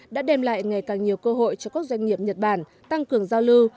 đã đem lại ngày càng nhiều cơ hội cho các doanh nghiệp nhật bản tăng cường giao lưu